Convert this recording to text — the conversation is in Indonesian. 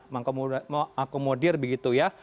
mau akomodir begitu ya